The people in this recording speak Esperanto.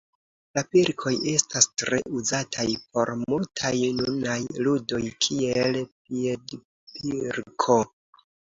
La pilkoj estas tre uzataj por multaj nunaj ludoj, kiel piedpilko.